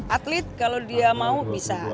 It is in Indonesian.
atlet kalau dia mau bisa